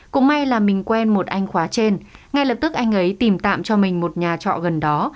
cũng may là mình quen một anh khóa trên ngay lập tức anh ấy tìm tạm cho mình một nhà trọ gần đó